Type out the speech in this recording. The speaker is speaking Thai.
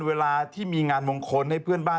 เวลาที่มีงานมงคลให้เพื่อนบ้าน